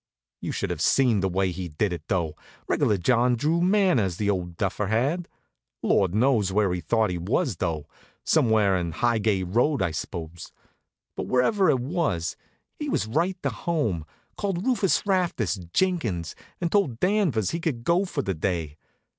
You should have seen the way he did it, though. Reg'lar John Drew manners, the old duffer had. Lord knows where he thought he was, though; somewhere on Highgate Road, I suppose. But wherever it was, he was right to home called Rufus Rastus Jenkins, and told Danvers he could go for the day.